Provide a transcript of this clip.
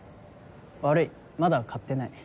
悪いまだ買ってない。